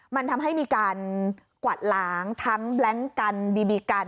มันทำให้มีการกวาดล้างทั้งแบล็งกันบีบีกัน